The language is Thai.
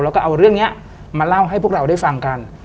แล้วก็เอาเรื่องนี้มาเล่าให้พวกเราได้ฟังกัน